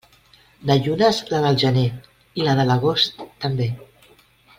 De llunes, la del gener i la de l'agost també.